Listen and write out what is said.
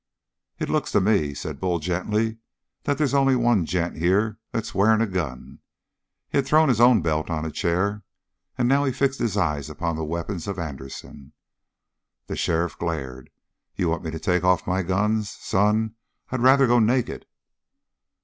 "It looks to me," said Bull gently, "that they's only one gent here that's wearing a gun." He had thrown his own belt on a chair; and now he fixed his eyes on the weapons of Anderson. The sheriff glared. "You want me to take off my guns? Son, I'd rather go naked!"